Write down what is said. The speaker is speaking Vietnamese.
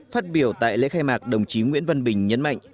phát biểu tại lễ khai mạc đồng chí nguyễn văn bình nhấn mạnh